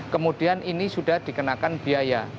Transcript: kemudian ini sudah dikenakan biaya